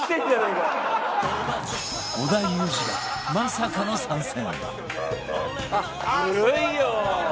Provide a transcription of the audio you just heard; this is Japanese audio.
織田裕二がまさかの参戦